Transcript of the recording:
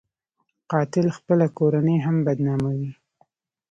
قاتل خپله کورنۍ هم بدناموي